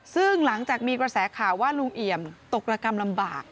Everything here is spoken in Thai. ซึ่งหลังจากมีกระแสข่าวว่าลุงเอี่ยมตกระกรรมลำบาก